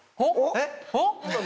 えっ？